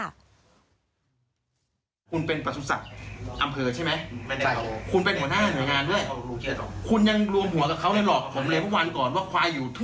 ท้าให้ผมไปฟ้องด้วยกล้องหน้ารถมี